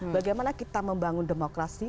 bagaimana kita membangun demokrasi